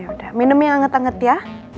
udah minum yang anget anget ya